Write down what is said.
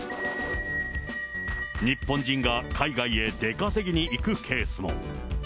日本人が海外へ出稼ぎに行くケースも。